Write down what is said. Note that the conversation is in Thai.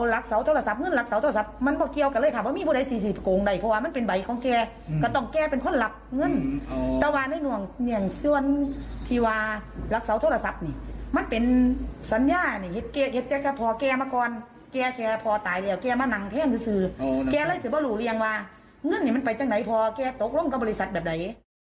เรื่องนี้มันไปจากไหนพอแกตกลงกับบริษัทแบบไหน